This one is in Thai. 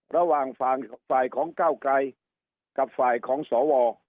ระหว่างฝ่างศัยของเก้ากัยกับศัยของสว